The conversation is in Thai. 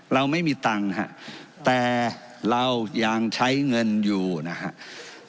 เราไม่มีตังค์ฮะแต่เรายังใช้เงินอยู่นะครับ